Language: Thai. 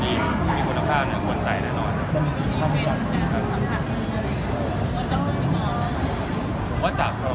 แต่ลงทีเมื่อกูจะบอกเจ้าแปด